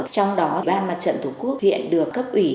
trong đó ban mặt trận tổ quốc huyện được cấp ủy